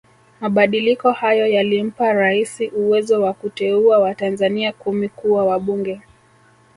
Mabadiliko hayo yalimpa Raisi uwezo wa kuteua watanzania kumi kuwa wabunge